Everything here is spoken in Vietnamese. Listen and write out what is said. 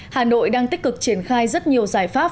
hà nội đang tích cực triển khai rất nhiều giải pháp